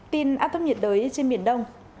tin áp thấp nhiệt đới trên biển đông